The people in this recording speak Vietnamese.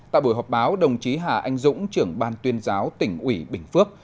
tại buổi họp báo đồng chí hà anh dũng trưởng ban tuyên giáo tỉnh ủy bình phước